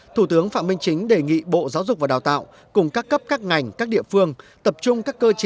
thủ tướng phạm minh chính đề nghị bộ giáo dục và đào tạo cùng các cấp các ngành các địa phương